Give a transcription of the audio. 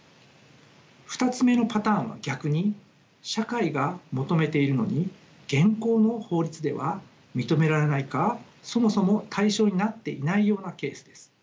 ２つ目のパターンは逆に社会が求めているのに現行の法律では認められないかそもそも対象になっていないようなケースです。